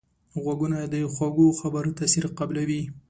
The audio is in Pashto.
غوږونه د خوږو خبرو تاثیر قبلوي